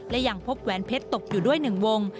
และยังพบแหวนเพชรตกอยู่ด้วย๑วง